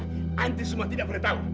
nanti semua tidak tahu